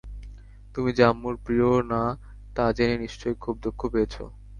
তুমি যে আম্মুর প্রিয় না তা জেনে নিশ্চয়ই খুব দুঃখ পেয়েছ।